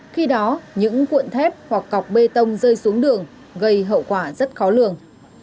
khi đó những cuộn thép hoặc cọc bê tông rơi xuống đường gây hậu quả rất khó lường